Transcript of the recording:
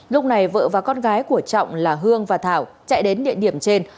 lúc này vợ và con gái của trọng là hương và thảo chạy đến địa điểm trên